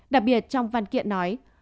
đặc biệt trong văn kiện nói